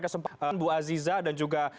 kesempatan bu aziza dan juga